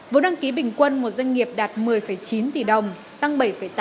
vốn đăng ký bình quân một doanh nghiệp đạt một mươi chín tỷ đồng tăng bảy tám